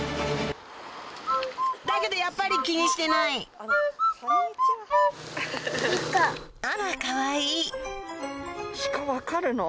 だけどやっぱり気にしてないあらかわいいシカ分かるの？